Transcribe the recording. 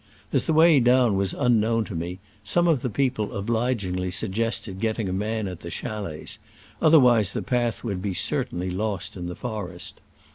As the way down was unknown to me, some of the people obligingly suggested getting a man at the chalets, otherwise the path would be certainly lost in the forest.